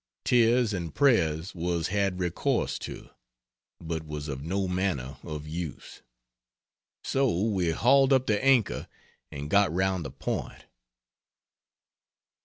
Tears and prayers was had recourse to, but was of no manner of use. So we hauled up the anchor and got round the point.'"